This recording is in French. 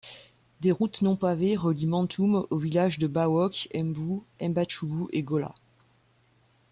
Des routes non pavées relient Mantum aux villages de Bawock, Mbu, Mbatchubu et Gola.